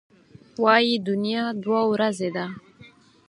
وايي دنیا دوه ورځې ده.